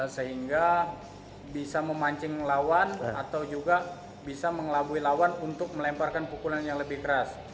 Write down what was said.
sehingga bisa memancing lawan atau juga bisa mengelabui lawan untuk melemparkan pukulan yang lebih keras